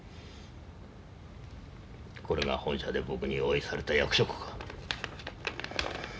これが本社で僕に用意された役職か。